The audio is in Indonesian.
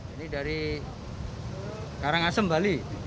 ini dari karangasem bali